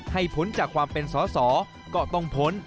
ให้ผลจากความเป็นสอก็ต้องผล